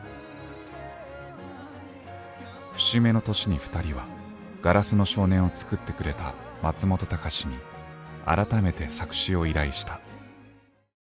節目の年にふたりは「硝子の少年」を作ってくれた松本隆に改めて作詞を依頼した。